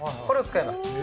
これを使います。